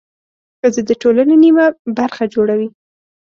ښځې د ټولنې نميه برخه جوړوي.